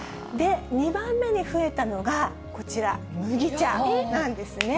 ２番目に増えたのがこちら、麦茶なんですね。